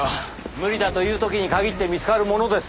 無理だという時に限って見つかるものです。